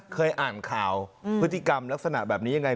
เคยอ่านข่าวพฤติกรรมลักษณะแบบนี้ยังไง